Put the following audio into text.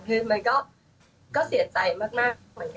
คือมันก็เสียใจมากเหมือนกัน